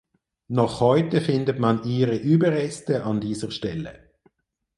Noch heute findet man ihre Überreste an dieser Stelle.